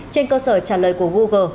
trên cơ sở trả lời của google